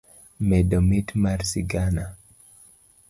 medo mit mar sigana.